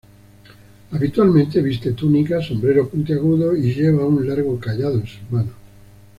Habitualmente viste túnica, sombrero puntiagudo y lleva un largo cayado en su mano.